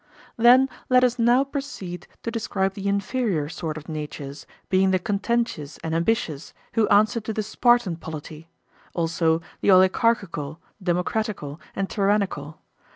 Then let us now proceed to describe the inferior sort of natures, being the contentious and ambitious, who answer to the Spartan polity; also the oligarchical, democratical, and tyrannical.